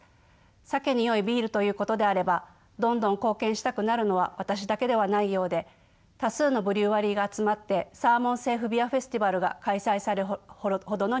サケによいビールということであればどんどん貢献したくなるのは私だけではないようで多数のブリュワリーが集まってサーモン・セーフビアフェスティバルが開催されるほどの人気です。